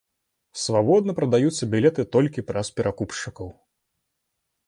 Свабодна прадаюцца білеты толькі праз перакупшчыкаў.